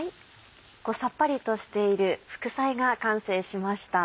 さっぱりとしている副菜が完成しました。